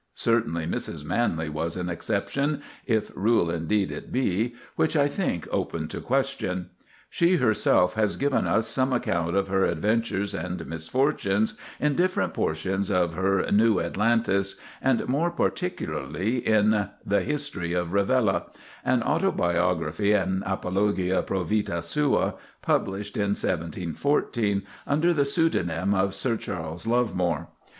Certainly Mrs. Manley was an exception, if rule indeed it be, which I think open to question. She herself has given us some account of her adventures and misfortunes in different portions of her "New Atalantis," and more particularly in "The History of Rivella"—an autobiography and apologia pro vitâ sua—published in 1714, under the pseudonym of Sir Charles Lovemore.